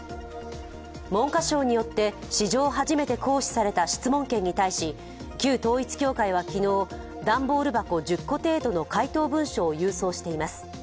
文科省によって史上初めて行使された質問権に対し旧統一教会は昨日段ボール箱１０個程度の回答文書を郵送しています。